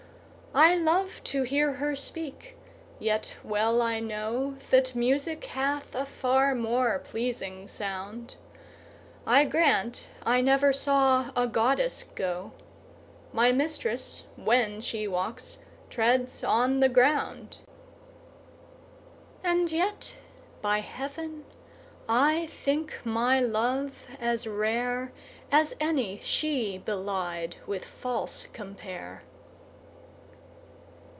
I love to hear her speak, yet well I know That music hath a far more pleasing sound; I grant I never saw a goddess go; My mistress, when she walks, treads on the ground: And yet, by heaven, I think my love as rare As any she belied with false compare.